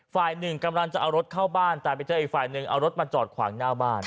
ฝ่ายหนึ่งกำลังจะเอารถเข้าบ้านแต่ไปเจออีกฝ่ายหนึ่งเอารถมาจอดขวางหน้าบ้าน